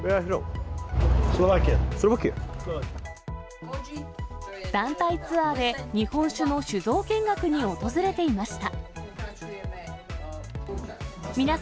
スロバキア？団体ツアーで日本酒の酒造見学に訪れていました。